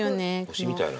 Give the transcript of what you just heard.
星みたいな。